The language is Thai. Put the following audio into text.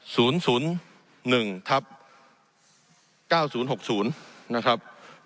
ศูนย์ศูนย์หนึ่งทับเก้าศูนย์หกศูนย์นะครับ